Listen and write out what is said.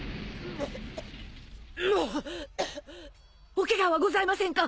おケガはございませんか？